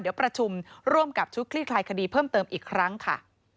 เดี๋ยวประชุมร่วมกับชุดคลี่คลายคดีเพิ่มเติมอีกครั้งค่ะ